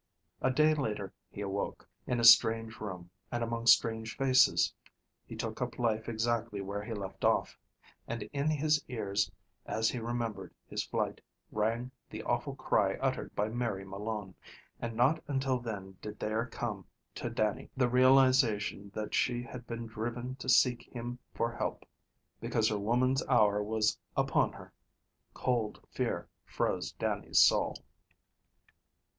A day later he awoke, in a strange room and among strange faces. He took up life exactly where he left off. And in his ears, as he remembered his flight, rang the awful cry uttered by Mary Malone, and not until then did there come to Dannie the realization that she had been driven to seek him for help, because her woman's hour was upon her. Cold fear froze Dannie's soul.